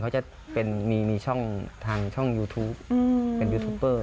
เขาจะเป็นมีช่องทางช่องยูทูปเป็นยูทูปเปอร์